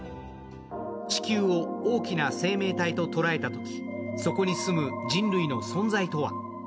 地球を大きな生命体と捉えたとき、そこに住む人類の存在とは。